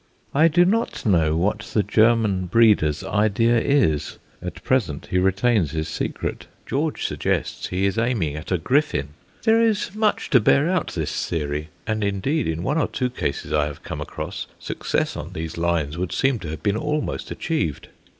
I do not know what the German breeder's idea is; at present he retains his secret. George suggests he is aiming at a griffin. There is much to bear out this theory, and indeed in one or two cases I have come across success on these lines would seem to have been almost achieved.